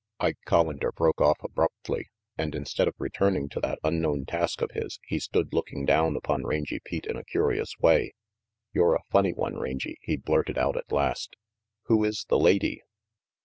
Ike Collander broke off abruptly, and instead of returning to that unknown task of his, he stood looking down upon Rangy Pete in a curious way. "You're a funny one, Rangy," he blurted out at last. "Who is the lady?"